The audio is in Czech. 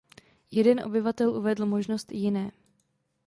Jeden obyvatel uvedl možnost "jiné".